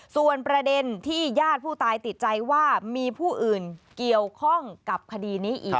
ส่วนประเด็นที่ญาติผู้ตายติดใจว่ามีผู้อื่นเกี่ยวข้องกับคดีนี้อีก